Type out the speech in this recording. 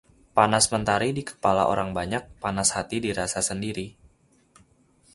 Panas mentari di kepala orang banyak, panas hati dirasa sendiri